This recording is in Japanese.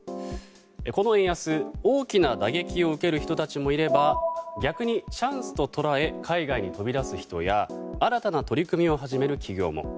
この円安、大きな打撃を受ける人たちもいれば逆に、チャンスと捉え海外に飛び出す人や新たな取り組みを始める企業も。